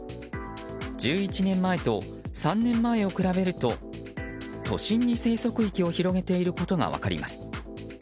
１１年前と３年前を比べると都心に生息域を広げていることが分かります。